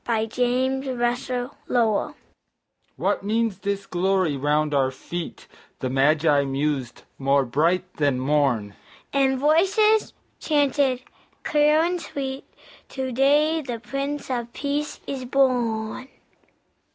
A CHRISTMAS CAROL "What means this glory round our feet," The Magi mused, "more bright than morn?" And voices chanted clear and sweet, "To day the Prince of Peace is born."